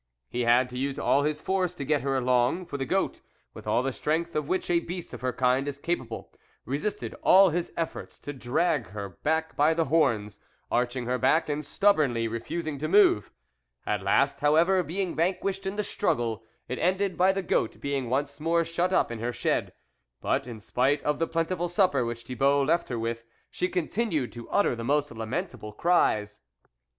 He had to use all his force to get her along, for the goat, with all the strength of which a beast of her kind is capable, resisted all his efforts to drag her back by the horns, arching her back, and stubbornly refusing to move. At last, however, being vanquished in the struggle, it ended by the goat being once more shut up in her shed, but, in spite of the plenti ful supper which Thibault left her with, she continued to utter the most lament able cries.